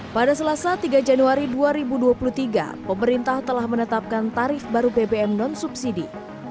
pada selasa tiga januari dua ribu dua puluh tiga pemerintah telah menetapkan tarif baru bbm non subsidi